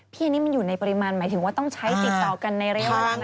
พี่อันนี้มันอยู่ในปริมาณหมายถึงว่าต้องใช้ติดต่อกันในระยะเวลานั้น